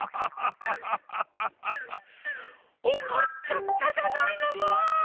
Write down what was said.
おこっちゃったじゃないのもう！